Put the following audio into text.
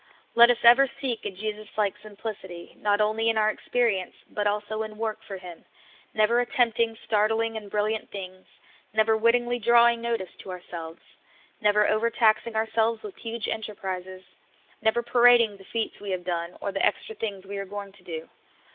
Let us ever seek a Jesus like simplicity, not only in our experience, but also in work for Him ; never attempting startling and brilliant things ; never wittingly drawing notice to ourselves ; never overtaxing ourselves with huge enterprises ; never parading the feats we have done, or the extra things we are going to dt>.